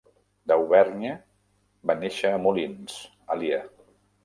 Dauvergne va néixer a Moulins, Allier.